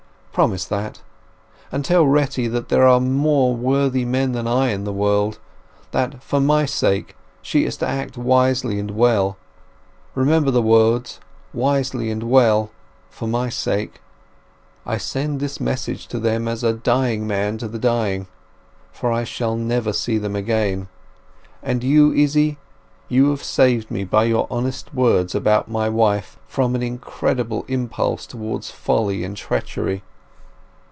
Promise that, and tell Retty that there are more worthy men than I in the world, that for my sake she is to act wisely and well—remember the words—wisely and well—for my sake. I send this message to them as a dying man to the dying; for I shall never see them again. And you, Izzy, you have saved me by your honest words about my wife from an incredible impulse towards folly and treachery.